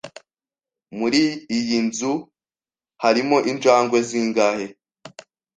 Muri iyi nzu harimo injangwe zingahe?